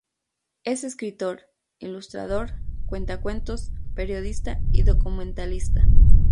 Es escritor, ilustrador, cuentacuentos, periodista y documentalista.